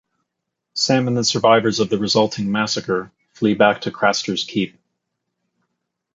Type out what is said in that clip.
Sam and the survivors of the resulting massacre flee back to Craster's Keep.